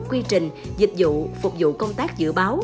quy trình dịch vụ phục vụ công tác dự báo